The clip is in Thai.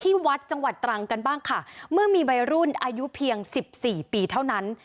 ที่วัดจังหวัดตรังกันบ้างค่ะเมื่อมีวัยรุ่นอายุเพียงสิบสี่ปีเท่านั้น